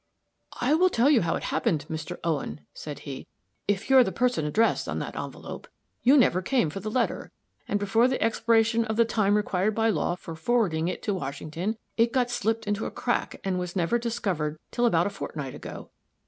"I will tell you how it happened, Mr. Owen," said he, "if you're the person addressed on that envelope. You never came for the letter, and before the expiration of the time required by law for forwarding it to Washington, it got slipped into a crack, and was never discovered till about a fortnight ago.